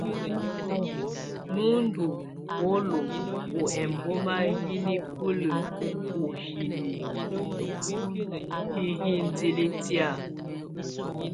Nù ndù ɔlɔ ɔ ɛmbɔma yi nikulǝ ù hini hi indili tɛ̀á.